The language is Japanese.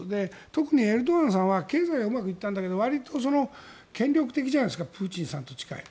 特にエルドアンさんは経済はうまくいったんだけど割と権力的じゃないですかプーチンさんと近い。